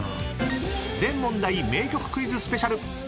［全問題名曲クイズスペシャル］